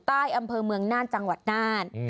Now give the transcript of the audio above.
ตาลเธออำเภอเมืองนาดจังหวัดนาด